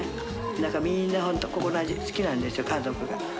なんかみんな本当、ここの味好きなんですよ、家族が。